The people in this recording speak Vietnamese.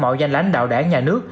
mạo danh lãnh đạo đảng nhà nước